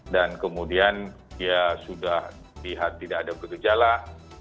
dan kemudian dia sudah lihat tidak ada berkejalan